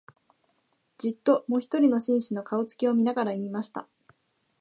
じっと、もひとりの紳士の、顔つきを見ながら言いました